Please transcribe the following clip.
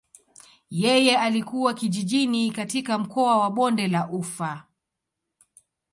Yeye alikulia kijijini katika mkoa wa bonde la ufa.